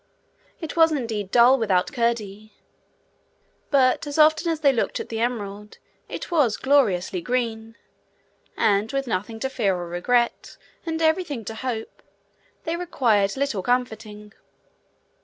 It was indeed dull without Curdie, but as often as they looked at the emerald it was gloriously green, and with nothing to fear or regret, and everything to hope, they required little comforting.